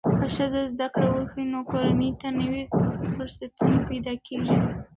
که ښځه زده کړه وکړي، نو کورنۍ ته نوې فرصتونه پیدا کېږي.